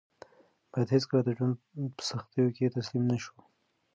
باید هېڅکله د ژوند په سختیو کې تسلیم نه شو.